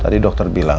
tadi dokter bilang